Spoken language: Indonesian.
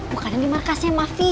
bukannya di markasnya mafia